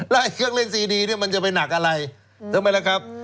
แล้วเครื่องเล่นซีดีเนี่ยมันจะไปหนักอะไรใช่ไหมล่ะครับ